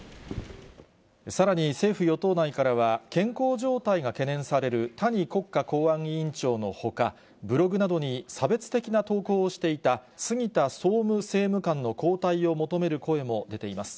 さらに、政府・与党内からは、健康状態が懸念される谷国家公安委員長のほか、ブログなどに差別的な投稿をしていた杉田総務政務官の交代を求める声も出ています。